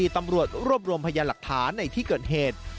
ตำรวจรวบรวมพยานหลักฐานในที่เกิดเหตุ